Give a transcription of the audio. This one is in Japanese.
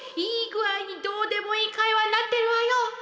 いい具合にどうでもいい会話になってるわよ。